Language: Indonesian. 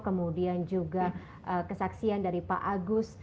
kemudian juga kesaksian dari pak agus